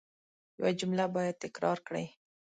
یو جمله باید تکرار کړئ.